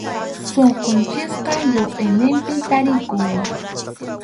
Sunqunchikqa lluqʼiniqpim tarikun.